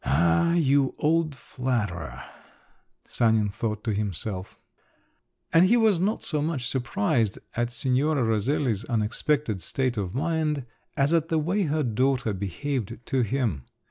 "Ah, you old flatterer!" Sanin thought to himself. And he was not so much surprised at Signora Roselli's unexpected state of mind, as at the way her daughter behaved to him.